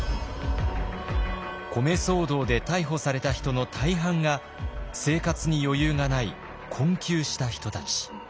米騒動で逮捕された人の大半が生活に余裕がない困窮した人たち。